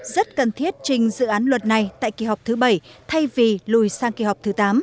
rất cần thiết trình dự án luật này tại kỳ họp thứ bảy thay vì lùi sang kỳ họp thứ tám